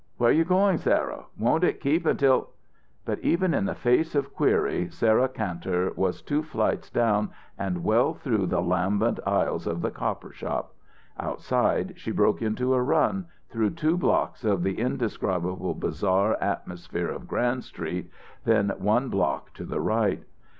"Where you going, Sarah? Won't it keep until " But even in the face of query, Sarah Kantor was two flights down and well through the lambent aisles of the copper shop. Outside, she broke into a run, through two blocks of the indescribable bazaar atmosphere of Grand Street, then one block to the right.